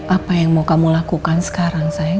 apa yang mau kamu lakukan sekarang sayang